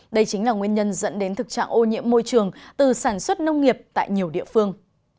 đây chính là nguyên nhân dẫn đến thực trạng ô nhiễm môi trường từ sản xuất nông nghiệp tại nhiều địa phương